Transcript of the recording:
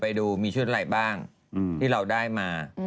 ไปดูมีชุดอะไรบ้างที่เราได้มา